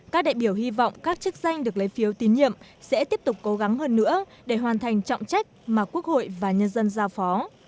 các đại biểu hy vọng các chức danh được lấy phiếu tín nhiệm sẽ tiếp tục cố gắng hơn nữa để hoàn thành trọng trách mà quốc hội và nhân dân giao phó